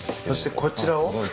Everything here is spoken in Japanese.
そしてこちらを？